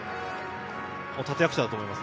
立役者だと思います。